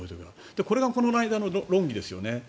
これがこの間の論議ですよね。